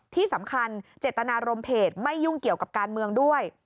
ที่สำคัญเจตนารมณ์เพจไม่ยุ่งเกี่ยวกับการเมืองด้วย